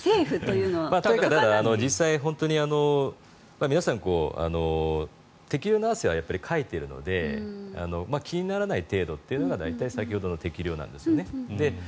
実際、皆さん適量の汗はかいてるので気にならない程度というのが大体、先ほどの適量なんですよね。